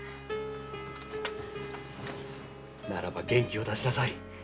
ならば元気を出しなさい。